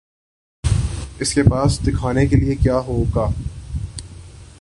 اس کے پاس دکھانے کے لیے کیا ہو گا؟